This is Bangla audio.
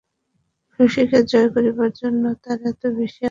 শশীকে জয় করিবার জন্য তার এত বেশি আগ্রহের কারণও বোধ হয় তাই।